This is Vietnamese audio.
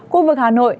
khu vực hà nội